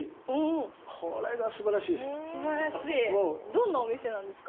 どんなお店なんですか？